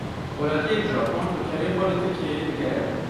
Welatiyekî Japon bi kerê xwe li Tirkiyeyê digere.